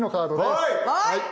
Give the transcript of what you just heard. はい。